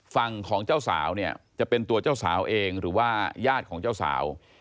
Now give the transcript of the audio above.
ฝั่งของเจ้าสาวเนี่ยจะเป็นตัวเจ้าสาวเองหรือว่าญาติของเจ้าสาว